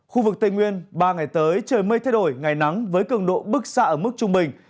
khu vực tây nguyên ba ngày tới trời mây thay đổi ngày nắng với cường độ bức xạ ở mức trung bình